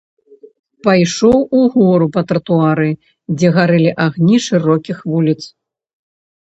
Пайшоў угору па тратуары, дзе гарэлі агні шырокіх вуліц.